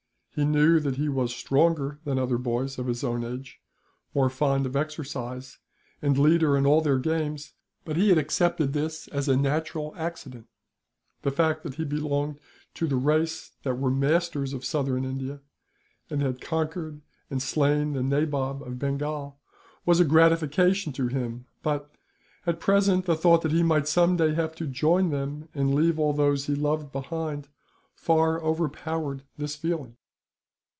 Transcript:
He knew that he was stronger than other boys of his own age; more fond of exercise, and leader in all their games; but he had accepted this as a natural accident. The fact that he belonged to the race that were masters of southern India, and had conquered and slain the Nabob of Bengal, was a gratification to him but, at present, the thought that he might some day have to join them, and leave all those he loved behind, far overpowered this feeling.